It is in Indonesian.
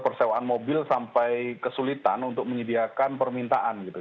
persewaan mobil sampai kesulitan untuk menyediakan permintaan gitu